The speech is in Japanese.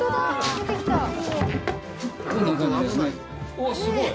うわっすごい！